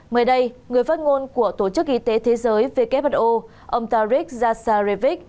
mới đây người phát ngôn của tổ chức y tế thế giới who ông tarik zasarevic